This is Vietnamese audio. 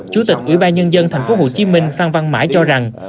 chủ tịch ủy ban nhân dân thành phố hồ chí minh phan văn mãi cho rằng